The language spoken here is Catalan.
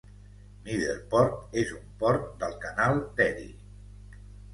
Middleport és un port del canal d'Erie.